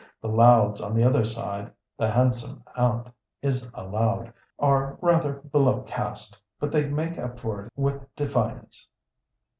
The Louds, on the other side the handsome aunt is a Loud are rather below caste, but they make up for it with defiance.